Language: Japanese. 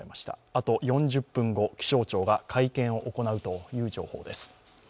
あと４０分後、気象庁が会見を行うという情報です。